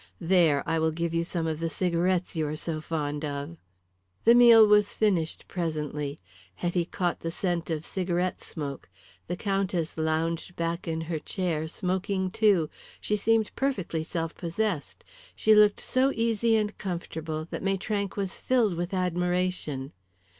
There! I will give you some of the cigarettes you are so fond of." The meal was finished presently. Hetty caught the scent of cigarette smoke. The Countess lounged back in her chair, smoking too. She seemed perfectly self possessed. She looked so easy and comfortable that Maitrank was filled with admiration.